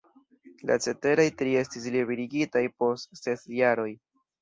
La ceteraj tri estis liberigitaj post ses jaroj.